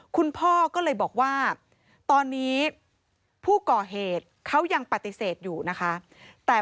คุณพ่อก็เลยบอกว่าตอนนี้ผู้ก่อเหตุเขายังปฏิเสธอยู่นะคะ